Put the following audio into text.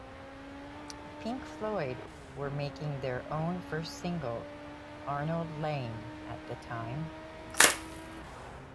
Pink Floyd were making their own first single, "Arnold Layne", at the time.